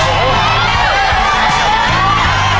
เริ่มครับ